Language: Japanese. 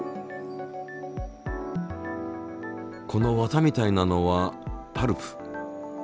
この綿みたいなのはパルプ。